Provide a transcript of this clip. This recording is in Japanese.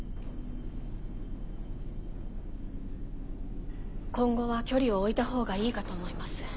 今後は距離を置いたほうがいいかと思います。